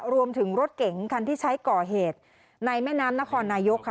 รวมถึงรถเก๋งคันที่ใช้ก่อเหตุในแม่น้ำนครนายกค่ะ